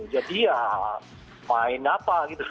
jadi ya main apa gitu